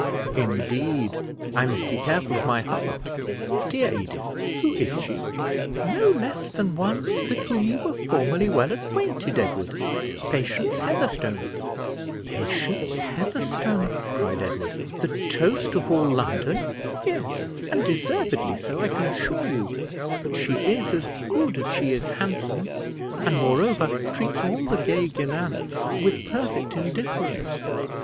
"Indeed! I must be careful of my heart. Dear Edith, who is she?" "No less than one with whom you were formerly well acquainted, Edward Patience Heatherstone." "Patience Heatherstone," cried Edward, "the toast of all London!" "Yes; and deservedly so, I can assure you; but she is as good as she is handsome, and, moreover, treats all the gay gallants with perfect indifference.